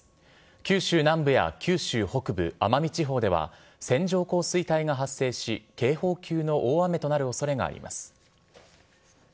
九州南部や九州北部、奄美地方では、線状降水帯が発生し、警報級の大雨となるおそれがあります。